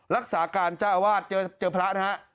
ลักษาการชาวิทยาลักษณะเจอเผล้านะครับ